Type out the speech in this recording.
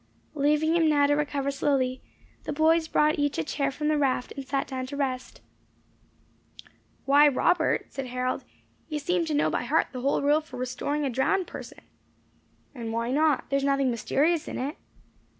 Leaving him now to recover slowly, the boys brought each a chair from the raft, and sat down to rest. "Why, Robert," said Harold, "you seem to know by heart the whole rule for restoring a drowned person." "And why not? There is nothing mysterious in it?"